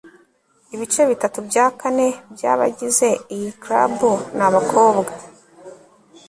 ibice bitatu bya kane byabagize iyi club ni abakobwa